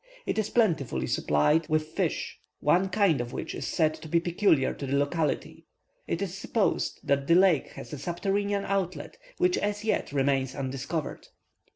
It is plentifully supplied with fish, one kind of which is said to be peculiar to the locality; it is supposed that the lake has a subterranean outlet, which as yet remains undiscovered.